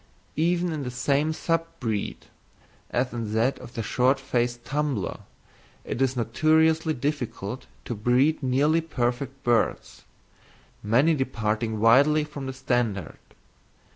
Even in the same sub breed, as in that of the short faced tumbler, it is notoriously difficult to breed nearly perfect birds, many departing widely from the standard.